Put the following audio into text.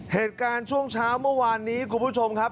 เหตุการณ์ช่วงเช้าเมื่อวานนี้คุณผู้ชมครับ